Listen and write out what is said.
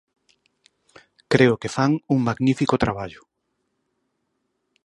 Creo que fan un magnífico traballo.